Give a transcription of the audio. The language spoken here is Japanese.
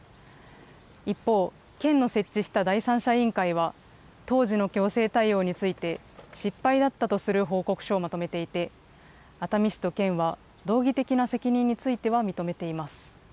一方、県の設置した第三者委員会は、当時の行政対応について、失敗だったとする報告書をまとめていて、熱海市と県は、道義的な責任については認めています。